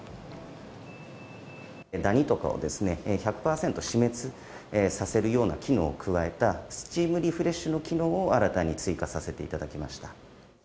ダニとかを１００％死滅させるような機能を加えたスチームリフレッシュの機能を新たに追加させていただきました。